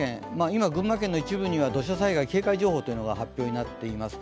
今、群馬県の一部には土砂災害警戒情報が発表になっています。